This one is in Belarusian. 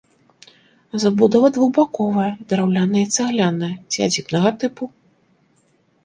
Забудова двухбаковая, драўляная і цагляная, сядзібнага тыпу.